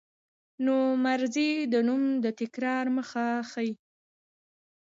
نومځری د نوم د تکرار مخه ښيي.